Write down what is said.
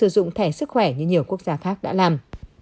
dụng thẻ sức khỏe như nhiều quốc gia khác đã làm